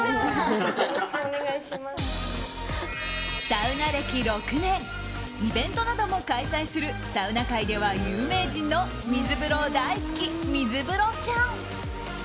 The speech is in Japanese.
サウナ歴６年イベントなども開催するサウナ界では有名人の水風呂大好き、水風呂ちゃん。